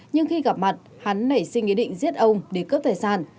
nhưng khi gặp mặt hắn nảy sinh ý định giết ông để cướp tài sản